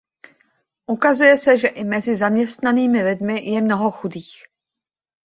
Ukazuje se, že i mezi zaměstnanými lidmi je mnoho chudých.